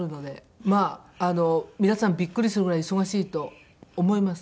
まあ皆さんビックリするぐらい忙しいと思います。